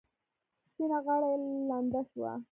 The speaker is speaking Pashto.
سپینه غاړه یې لنده شوه.